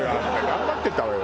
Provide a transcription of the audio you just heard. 頑張ってたわよ